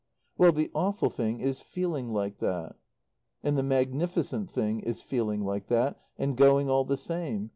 "Well the awful thing is 'feeling like that.'" "And the magnificent thing is 'feeling like that,' and going all the same.